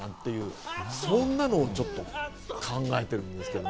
そんなのをちょっと考えてるんですけど。